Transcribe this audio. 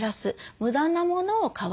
無駄なものを買わない。